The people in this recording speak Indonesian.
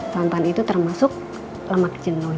santan itu termasuk lemak jenuh